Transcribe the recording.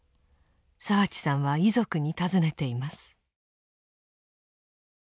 澤地さんは遺族に尋ねています。